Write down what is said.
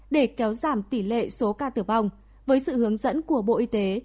để kéo giảm tỷ lệ số ca tử vong với sự hướng dẫn của bộ y tế